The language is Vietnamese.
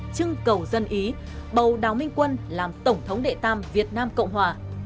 trưng cầu dân ý bầu đào minh quân làm tổng thống đệ tam việt nam cộng hòa